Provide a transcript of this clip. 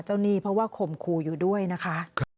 หนี้เพราะว่าข่มขู่อยู่ด้วยนะคะ